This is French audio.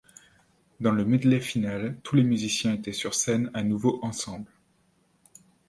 Dans le medley final tous les musiciens étaient sur scène à nouveau ensemble.